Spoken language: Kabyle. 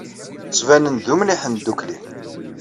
Ttbanen-d d umliḥen ddukkli.